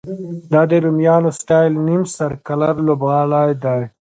دا د رومیانو سټایل نیم سرکلر لوبغالی دی.